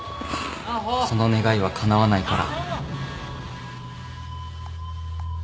その願いはかなわないから。